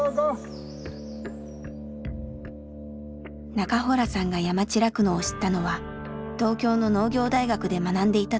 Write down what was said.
中洞さんが山地酪農を知ったのは東京の農業大学で学んでいた時。